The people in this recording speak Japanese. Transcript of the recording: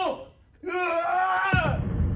うわ！